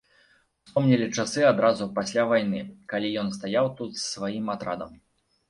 Успомнілі часы адразу пасля вайны, калі ён стаяў тут з сваім атрадам.